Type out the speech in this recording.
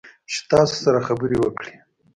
چې تاسو سره خبرې وکړي